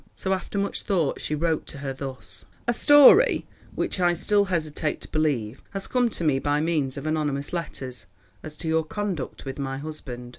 So after much thought she wrote to her thus:— "A story, which I still hesitate to believe, has come to me by means of anonymous letters, as to your conduct with my husband.